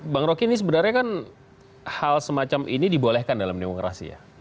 bang roky ini sebenarnya kan hal semacam ini dibolehkan dalam demokrasi ya